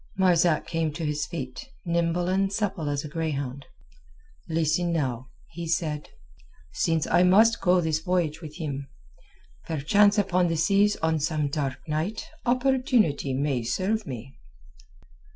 Marzak came to his feet, nimble and supple as a greyhound. "Listen now," he said. "Since I must go this voyage with him, perchance upon the seas on some dark night opportunity may serve me."